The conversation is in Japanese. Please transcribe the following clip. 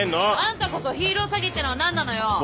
あんたこそヒーロー詐欺ってのは何なのよ？